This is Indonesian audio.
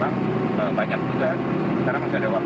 mungkin tegak memanikan perjalanan menikmati madinah atau mekah